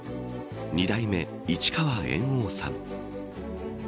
二代目、市川猿翁さん。